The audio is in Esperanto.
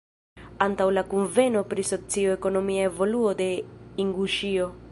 Antaŭ la kunveno pri socio-ekonomia evoluo de Inguŝio.